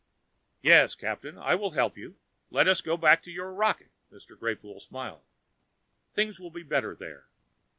"Yes, Captain, I will help you. Let us go back to your rocket." Mr. Greypoole smiled. "Things will be better there."